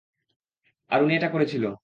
আর উনি এটা করেছিল।